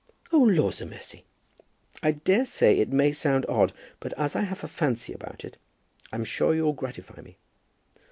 "Oh, laws a' mercy." "I daresay it may sound odd, but as I have a fancy about it, I'm sure you'll gratify me."